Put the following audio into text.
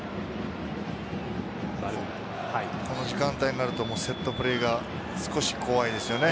この時間帯になるとセットプレーが少し怖いですよね。